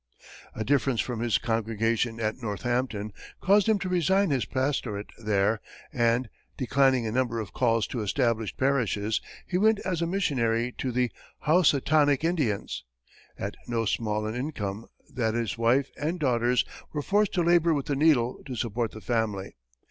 A difference with his congregation at Northampton caused him to resign his pastorate there, and, declining a number of calls to established parishes, he went as a missionary to the Housatonick Indians, at so small an income that his wife and daughters were forced to labor with the needle to support the family.